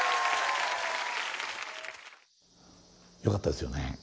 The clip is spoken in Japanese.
よかったですよね。